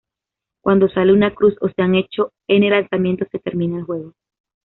Cuando sale una cruz o se han hecho n lanzamientos se termina el juego.